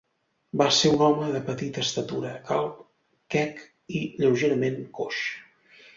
Va ser un home de petita estatura, calb, quec i lleugerament coix.